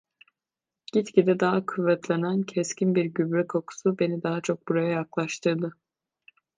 Gitgide daha kuvvetlenen keskin bir gübre kokusu beni daha çok buraya yaklaştırdı.